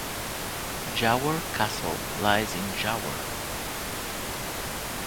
Jawor Castle lies in Jawor.